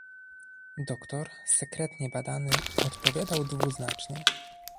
"Doktor, sekretnie badany, odpowiadał dwuznacznie."